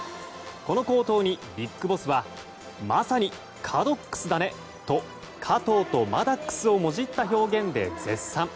この好投にＢＩＧＢＯＳＳはまさにカドックスだね！と加藤とマダックスをもじった表現で絶賛。